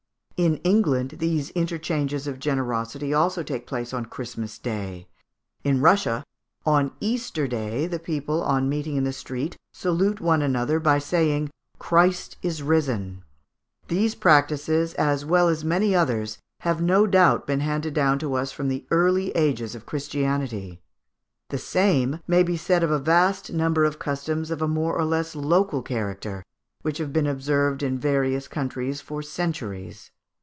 In England these interchanges of generosity also take place on Christmas Day. In Russia, on Easter Day, the people, on meeting in the street, salute one another by saying "Christ is risen." These practices, as well as many others, have no doubt been handed down to us from the early ages of Christianity. The same may be said of a vast number of customs of a more or less local character, which have been observed in various countries for centuries.